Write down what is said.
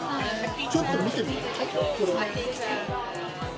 ちょっと見てみ。